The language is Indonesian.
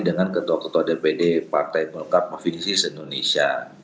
dengan ketua ketua dpd partai polkap mavisis indonesia